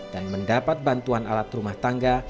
dan mendapat bantuan alat rumah tangga